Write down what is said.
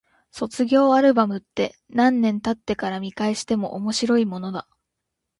卒業アルバムって、何年経ってから見返しても面白いものだ。